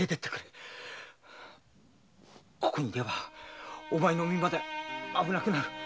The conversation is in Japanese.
ここに居ればお前の身まで危なくなる。